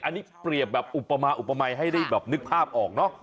อันนี้เปรียบแบบอุปมายให้ได้แบบนึกภาพออก